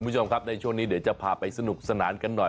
คุณผู้ชมครับในช่วงนี้เดี๋ยวจะพาไปสนุกสนานกันหน่อย